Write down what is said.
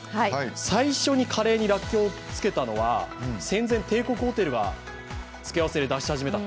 最初のカレーにらっきょうをつけたのは戦前、帝国ホテルがつけ合わせで出し始めたと。